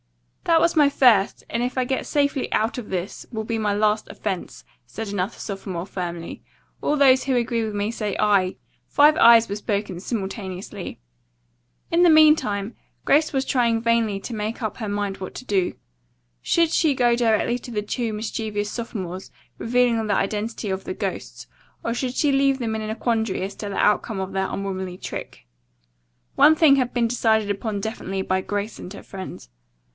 "That was my first, and if I get safely out of this, will be my last offense," said another sophomore firmly. "All those who agree with me say 'aye.'" Five "ayes" were spoken simultaneously. In the meantime, Grace was trying vainly to make up her mind what to do. Should she go directly to the two mischievous sophomores, revealing the identity of the ghosts, or should she leave them in a quandary as to the outcome of their unwomanly trick? One thing had been decided upon definitely by Grace and her friends.